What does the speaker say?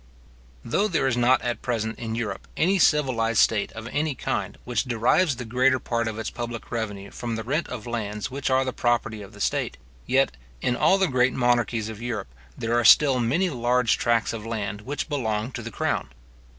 Though there is not at present in Europe, any civilized state of any kind which derives the greater part of its public revenue from the rent of lands which are the property of the state; yet, in all the great monarchies of Europe, there are still many large tracts of land which belong to the crown.